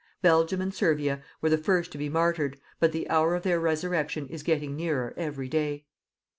Belgium and Servia were the first to be martyred, but the hour of their resurrection is getting nearer every day.